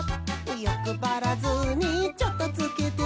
「よくばらずにチョットつけて」